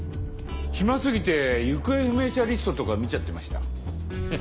暇過ぎて行方不明者リストとか見ちゃってましたフッ。